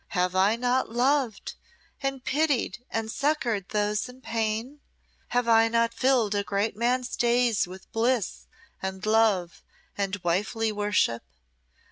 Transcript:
Have I not loved, and pitied, and succoured those in pain? Have I not filled a great man's days with bliss, and love, and wifely worship?